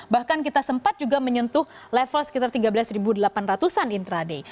bahkan kita sempat juga menyentuh level sekitar tiga belas delapan ratus an intraday